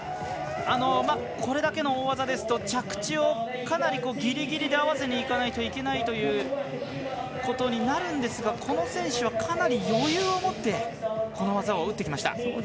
これだけの大技ですと着地をかなりギリギリで合わせにいかないといけないことになりますがこの選手はかなり余裕を持ってこの技を打ってきました。